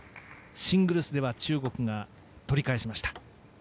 シングルスでは中国が取り返しました。